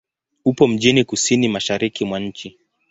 Upo mjini kusini-mashariki mwa nchi.